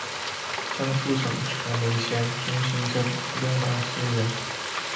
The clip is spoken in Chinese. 江苏省崇明县中兴镇永南村人。